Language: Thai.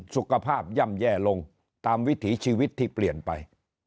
สุขภาพย่ำแย่ลงตามวิถีชีวิตที่เปลี่ยนไป